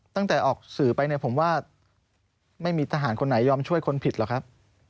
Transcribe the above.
ตั้งแต่ออกสื่อไปเนี่ยผมว่าไม่มีทหารคนไหนยอมช่วยคนผิดหรอกครับ